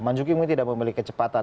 marzuki mungkin tidak memiliki kecepatan